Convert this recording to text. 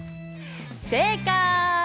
正解！